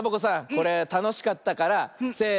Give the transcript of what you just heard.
これたのしかったからせの。